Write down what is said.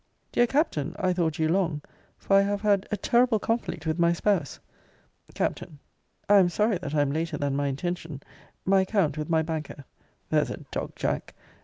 Dear Captain, I thought you long; for I have had a terrible conflict with my spouse. Capt. I am sorry that I am later than my intention my account with my banker [There's a dog, Jack!